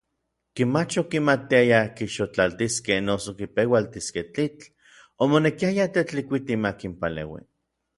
Ken mach okimatiayaj kixotlaltiskej noso kipeualtiskej tlitl, omonekiaya Tetlikuiti makinpaleui.